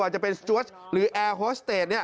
จะเป็นสจวดหรือแอร์โฮสเตจ